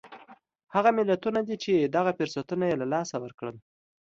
هغه ملتونه دي چې دغه فرصتونه یې له لاسه ورکړل.